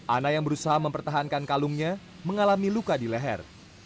ana yang berusaha mempertahankan kalungnya mengalami luka di leher